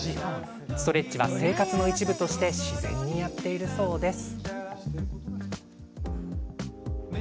ストレッチは生活の一部として自然にやっているそうです。